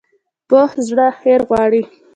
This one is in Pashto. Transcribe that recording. پوخ زړه خیر غواړي